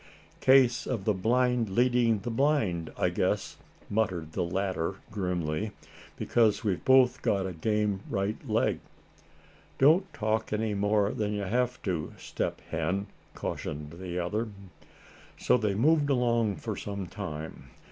"Case of the blind leading the blind, I guess," muttered the latter, grimly, "because we've both got a game right leg." "Don't talk any more than you have to, Step Hen," cautioned the other. So they moved along for some time.